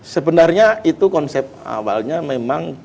sebenarnya itu konsep awalnya memang